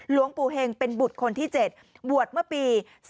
หลวงปู่เห็งเป็นบุตรคนที่๗บวชเมื่อปี๒๕๔